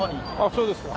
そうですか。